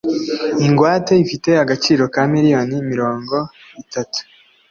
ingwate ifite agaciro ka miliyoni mirongo itatu